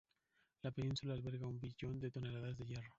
La península alberga un billón de toneladas de hierro.